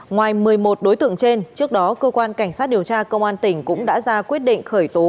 ngoài một mươi một đối tượng trên trước đó cơ quan cảnh sát điều tra công an tỉnh cũng đã ra quyết định khởi tố